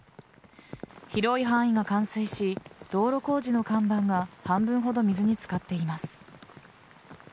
広い範囲が冠水し道路工事の看板が半分ほど水に漬かっています。